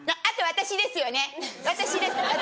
私です